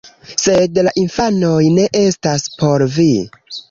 Sed la infanoj ne estas por vi